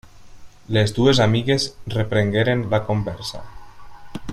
Les dues amigues reprengueren la conversa.